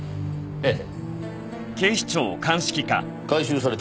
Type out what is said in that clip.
ええ。